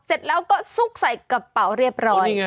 เสร็จแล้วก็ซุกใส่กระเป๋าเรียบร้อย